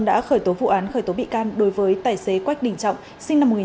đã khởi tố vụ án khởi tố bị can đối với tài xế quách đình trọng